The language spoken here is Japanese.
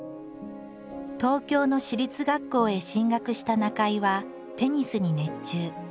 東京の私立学校へ進学した中井はテニスに熱中。